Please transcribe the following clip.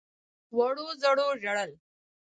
وړو _زړو ژړل.